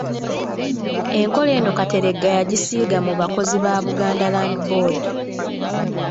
Enkola eno Kateregga yagisiga mu bakozi ba Buganda Land Board.